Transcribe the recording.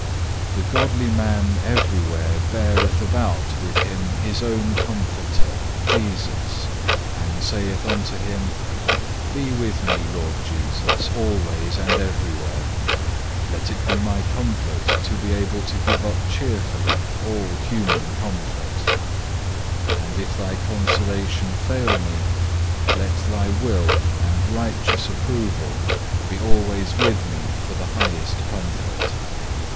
The godly man everywhere beareth about with him his own Comforter, Jesus, and saith unto Him: "Be with me, Lord Jesus, always and everywhere. Let it be my comfort to be able to give up cheerfully all human comfort. And if Thy consolation fail me, let Thy will and righteous approval be alway with me for the highest comfort.